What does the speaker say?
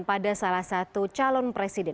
pada salah satu calon presiden